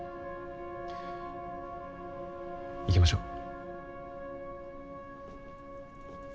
行きましょう。